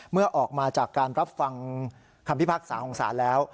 เมื่อออกมาจากการรับฟังคำพิพากษาของศาลแล้ว